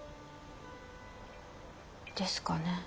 ですかね。